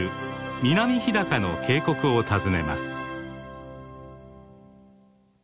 南日高の渓谷を訪ねます。